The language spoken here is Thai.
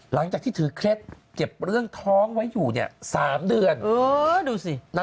หลังจากที่ถือเคล็ดเก็บเรื่องท้องไว้อยู่เนี่ย๓เดือน